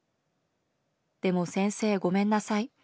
でも先生ごめんなさい。